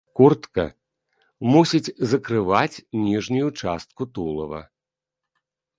Куртка мусіць закрываць ніжнюю частку тулава.